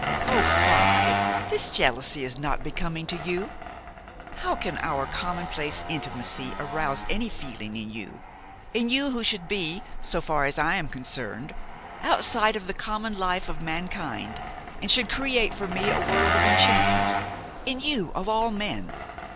"Oh! fie! this jealousy is not becoming to you! How can our commonplace intimacy arouse any feeling in you, in you who should be, so far as I am concerned, outside of the common life of mankind and should create for me a world of enchantment–in you of all men!